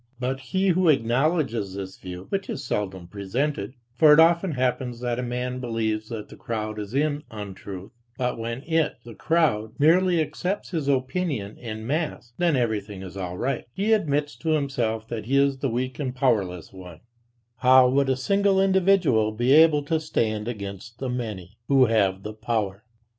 But he who acknowledges this view, which is seldom presented (for it often happens, that a man believes that the crowd is in untruth, but when it, the crowd, merely accepts his opinion en masse, then everything is all right), he admits to himself that he is the weak and powerless one; how would a single individual be able to stand against the many, who have the power!